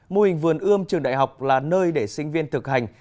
mô hình vườn ươm trường đại học là nơi để sinh viên thực hành